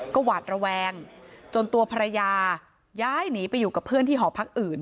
ก็หวาดระแวงจนตัวภรรยาย้ายหนีไปอยู่กับเพื่อนที่หอพักอื่น